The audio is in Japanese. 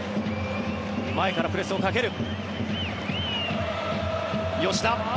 前からプレスをかける。